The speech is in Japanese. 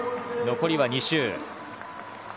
残りは２周。